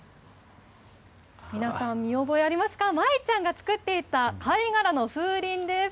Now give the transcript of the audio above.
皆さん、見覚えありますか、舞ちゃんが作っていた貝殻の風鈴です。